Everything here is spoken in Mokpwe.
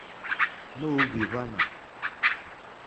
Nǒhwì hwánà.